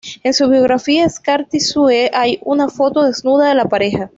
En su biografía Scar Tissue hay una foto desnuda de la pareja.